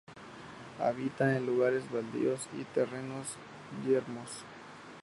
Habita en lugares baldíos y terrenos yermos.